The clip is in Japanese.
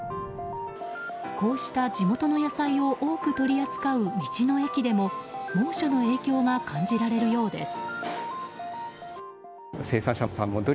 こうした地元の野菜を多く取り扱う道の駅でも猛暑の影響が感じられるようです。